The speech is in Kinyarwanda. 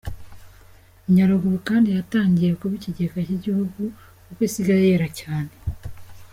Nyaruguru kandi yatangiye kuba ikigega cy’igihugu, kuko isigaye yera cyane.